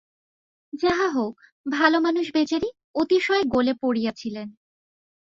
যাহা হউক, ভালোমানুষ বেচারি অতিশয় গোলে পড়িয়াছিলেন।